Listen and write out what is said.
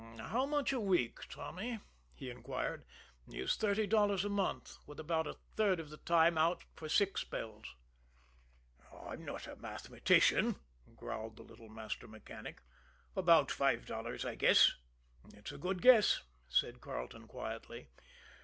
"How much a week, Tommy," he inquired, "is thirty dollars a month, with about a third of the time out for sick spells?" "I'm not a mathematician," growled the little master mechanic. "About five dollars, I guess." "It's a good guess," said Carleton quietly.